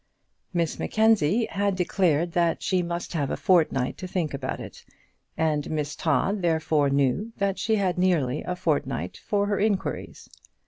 Miss Mackenzie had declared that she must have a fortnight to think about it, and Miss Todd therefore knew that she had nearly a fortnight for her inquiries.